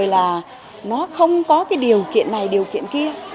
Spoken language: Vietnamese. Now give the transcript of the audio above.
là nó không có cái điều kiện này điều kiện kia